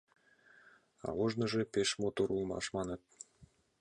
А ожныжо пеш мотор улмаш, маныт.